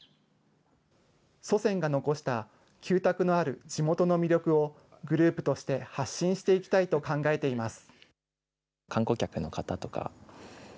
祖先が残した旧宅のある地元の魅力を、グループとして発信していきたいと考えています。